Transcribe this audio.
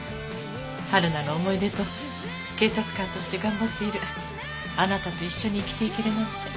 春菜の思い出と警察官として頑張っているあなたと一緒に生きていけるなんて。